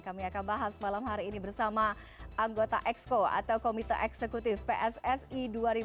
kami akan bahas malam hari ini bersama anggota exco atau komite eksekutif pssi dua ribu dua puluh tiga dua ribu dua puluh tujuh